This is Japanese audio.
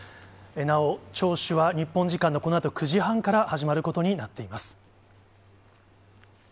なお、聴取は日本時間のこのあと９時半から始まることになっています。